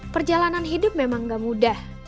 perjalanan hidup memang gak mudah